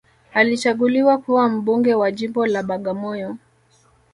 alichaguliwa kuwa mbunge wa jimbo la bagamoyo